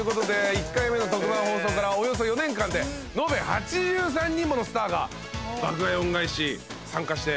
１回目の特番放送からおよそ４年間で延べ８３人ものスターが『爆買い☆恩返し』参加して。